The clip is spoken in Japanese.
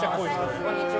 こんにちは。